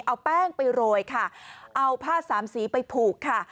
เอาแป้งไปโรยค่ะเอาผ้าสามสีไปผูกค่ะ